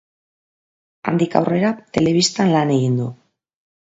Handik aurrera telebistan lan egin du.